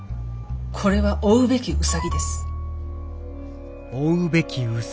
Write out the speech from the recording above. これは追うべきウサギです。